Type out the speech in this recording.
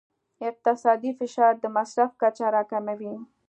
اقتصادي فشار د مصرف کچه راکموي.